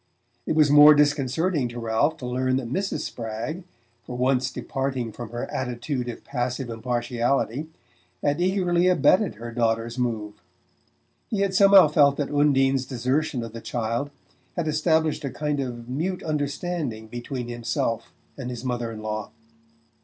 It was more disconcerting to Ralph to learn that Mrs. Spragg, for once departing from her attitude of passive impartiality, had eagerly abetted her daughter's move; he had somehow felt that Undine's desertion of the child had established a kind of mute understanding between himself and his mother in law.